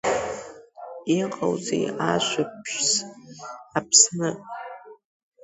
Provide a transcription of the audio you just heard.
Иҟоузеи ажәабжьс, Аԥсны.